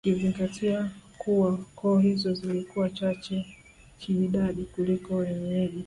Ukizingatia kuwa koo hizo zilikuwa chache kiidadi kuliko wenyeji